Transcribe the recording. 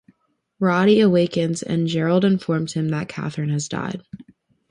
Roddy awakens and Gerald informs him that Katherine has died.